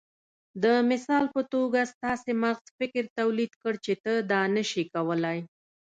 د مثال په توګه ستاسې مغز فکر توليد کړ چې ته دا نشې کولای.